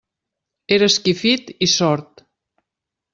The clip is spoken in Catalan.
Era esquifit i sord.